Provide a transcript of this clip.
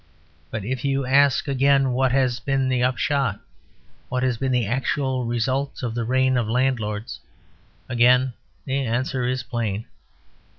But if you ask again what has been the upshot, what has been the actual result of the reign of landlords, again the answer is plain.